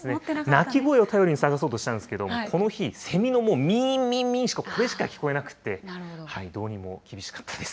鳴き声を頼りに探そうとしたんですけれども、この日、セミのもう、みーんみんみんしか、聞こえなくて、どうにも厳しかったです。